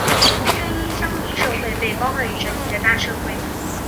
正因乡民社会被包含于整体的大社会。